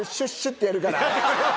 てやるから。